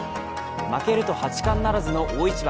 負けると八冠ならずの大一番。